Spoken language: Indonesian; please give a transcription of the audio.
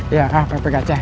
ya pak pekegacah